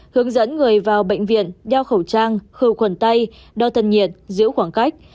hướng dẫn người vào bệnh viện đeo khẩu trang khửu quần tay đo tân nhiệt giữ khoảng cách